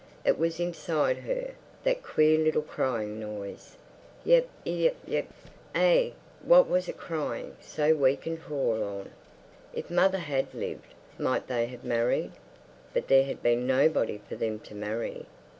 It was inside her, that queer little crying noise. Yeep—eyeep—yeep. Ah, what was it crying, so weak and forlorn? If mother had lived, might they have married? But there had been nobody for them to marry.